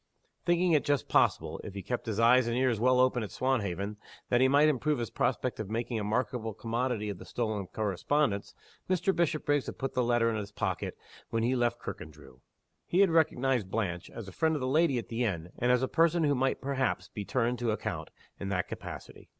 Thinking it just possible if he kept his eyes and ears well open at Swanhaven that he might improve his prospect of making a marketable commodity of the stolen correspondence, Mr. Bishopriggs had put the letter in his pocket when he left Kirkandrew. He had recognized Blanche, as a friend of the lady at the inn and as a person who might perhaps be turned to account, in that capacity.